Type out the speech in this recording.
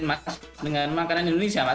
makan dengan makanan indonesia mas